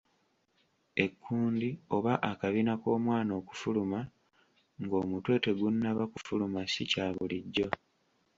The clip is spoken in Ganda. Ekkundi oba akabina k'omwana okufuluma ng'omutwe tegunnaba kufuluma si kya bulijjo.